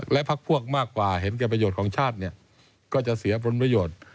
และพักพวกมากกว่าเห็นแก่ประโยชน์ของชาติเนี่ยก็จะเสียผลประโยชน์